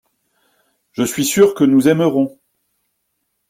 Je suis sûr que nous aimerons.